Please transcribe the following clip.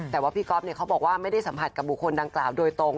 แต่ว่าพี่ก๊อฟเขาบอกว่าไม่ได้สัมผัสกับบุคคลดังกล่าวโดยตรง